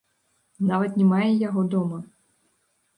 Нават не мае яго дома.